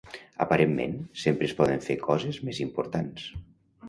Aparentment, sempre es poden fer coses més importants.